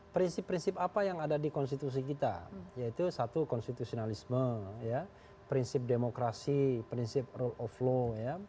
prinsip prinsip apa yang ada di konstitusi kita yaitu satu konstitusionalisme prinsip demokrasi prinsip rule of law